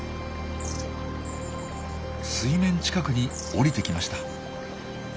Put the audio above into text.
水面近くに降りてきました。